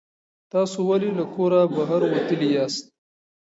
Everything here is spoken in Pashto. تاسو ولې له کوره بهر وتلي یاست؟